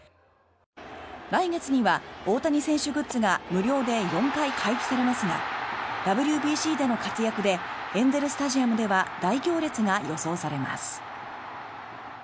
来月には大谷選手グッズが無料で４回配布されますがＷＢＣでの活躍でエンゼル・スタジアムでは大行列が予想されます。